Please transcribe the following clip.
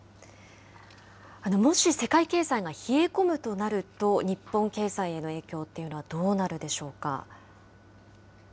もし世界経済が冷え込むとなると、日本経済への影響っていうのはどうなるでしょうか。